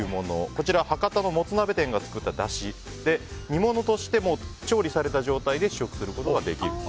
こちら博多のもつ鍋店が作っただしで煮物としても調理された状態で試食することができる。